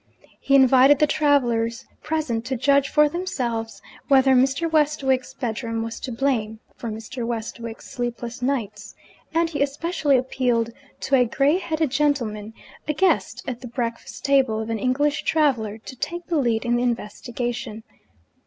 He invited the travellers present to judge for themselves whether Mr. Westwick's bedroom was to blame for Mr. Westwick's sleepless nights; and he especially appealed to a grey headed gentleman, a guest at the breakfast table of an English traveller, to take the lead in the investigation.